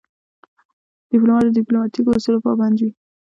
ډيپلومات د ډیپلوماتیکو اصولو پابند وي.